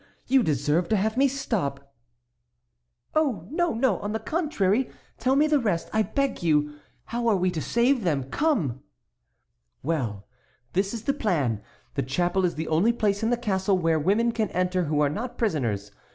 You deserve to have me stop." "Oh! no, no; on the contrary, tell me the rest, I beg you. How are we to save them; come!" "Well, this is the plan. The chapel is the only place in the castle where women can enter who are not prisoners.